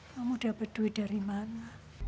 kamu dapat duit dari mana